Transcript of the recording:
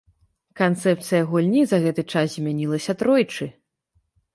Канцэпцыя гульні за гэты час змянялася тройчы.